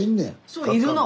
そういるの。